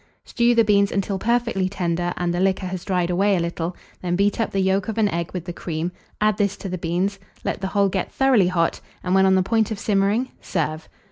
Stew the beans until perfectly tender, and the liquor has dried away a little; then beat up the yolk of an egg with the cream, add this to the beans, let the whole get thoroughly hot, and when on the point of simmering, serve.